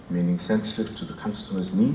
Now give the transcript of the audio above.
yaitu sensitif kebutuhan pelanggan